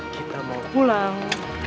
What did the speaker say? kita mau pulang